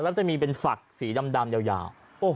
แล้วจะมีเป็นฝักสีดำยาว